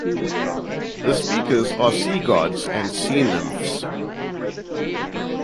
The speakers are sea-gods and sea-nymphs.